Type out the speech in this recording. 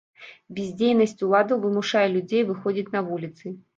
Бяздзейнасць уладаў вымушае людзей выходзіць на вуліцы.